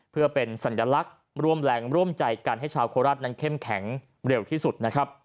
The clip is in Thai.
เพื่อเป็นสัญลักษณ์ร่วมแรงร่วมใจกันให้ชาวโคราชนั้นเข้มแข็งเร็วที่สุดนะครับ